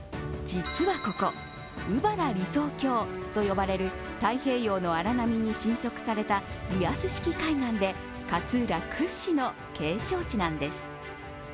実はここ、鵜原理想郷と呼ばれる太平洋の荒波に浸食されたリアス式海岸で勝浦屈指の景勝地なんです。